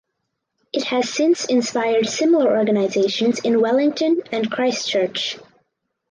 It has since inspired similar organisations in Wellington and Christchurch.